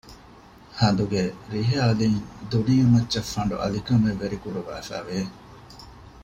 ހަނދުގެ ރިހި އަލިން ދުނިޔެމައްޗަށް ފަނޑު އަލިކަމެއް ވެރިކުރުވާފައި ވެ